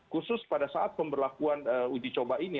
khusus pada saat pemberlakuan uji coba ini